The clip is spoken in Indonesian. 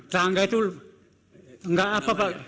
tetangga itu gak apa pak